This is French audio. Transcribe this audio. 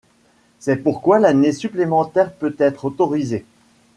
C'est pourquoi l'année supplémentaire peut être autorisée.